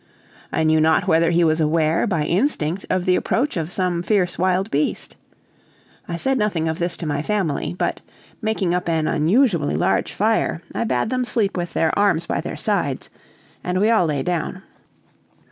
I knew not whether he was aware, by instinct, of the approach of some fierce wild beast. I said nothing of this to my family, but, making up an unusually large fire, I bade them sleep with their arms by their sides, and we all lay down.